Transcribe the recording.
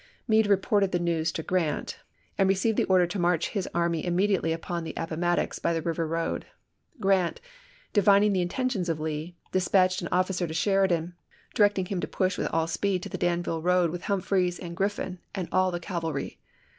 Meade reported the news to Grant, and re ceived the order to march his army immediately up the Appomattox by the river road; Grant, divining the intentions of Lee, dispatched an of 184 ABRAHAM LINCOLN chap. ix. ficer to Sheridan, directing him to push with all speed to the Danville road with Humphreys and Griffin and all the cavalry.